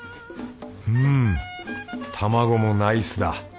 うん卵もナイスだ。